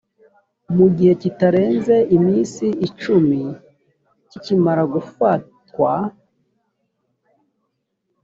mu gihe kitarenze iminsi icumi kikimara gufatwa